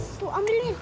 tuh ambil dia